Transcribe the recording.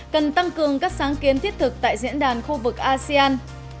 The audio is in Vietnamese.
cần tăng cường các sáng kiến thiết thực tại diễn đàn khu vực asean